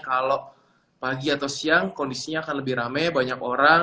kalau pagi atau siang kondisinya akan lebih rame banyak orang